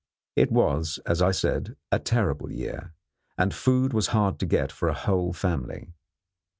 It was, as I said, a terrible year, and food was hard to get for a whole family.